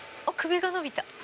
あっ首が伸びた。